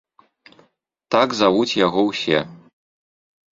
Так завуць яго ўсе.